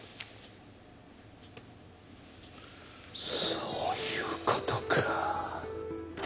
そういう事か。